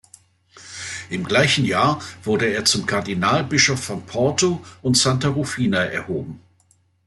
Im gleichen Jahr wurde er zum Kardinalbischof von Porto und Santa Rufina erhoben.